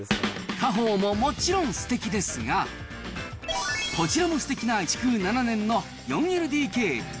家宝ももちろんすてきですが、こちらのすてきな築７年の４ＬＤＫ。